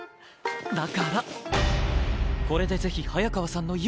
だからこれでぜひ早川さんの勇姿を！